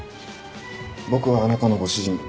僕はあなたのご主人